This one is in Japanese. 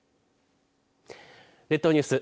列島ニュース